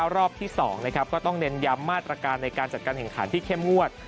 รอบที่๒ก็ต้องเน้นย้ำมาตรการในการจัดการแข่งขันที่เข้มงวด